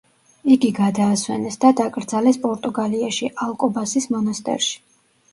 იგი გადაასვენეს და დაკრძალეს პორტუგალიაში, ალკობასის მონასტერში.